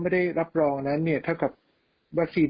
ไม่ได้รับรองแบบวัคซีน